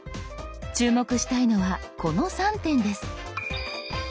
注目したいのはこの３点です。